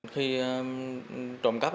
khi trộm cấp